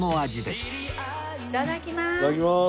いただきます。